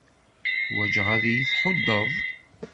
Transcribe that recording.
Ḥwajeɣ ad iyi-tḥuddeḍ.